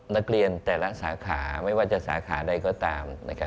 นักเรียนแต่ละสาขาไม่ว่าจะสาขาได้ก็ตาม